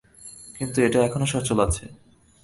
কিন্তু এটা এখনও সচল আছে।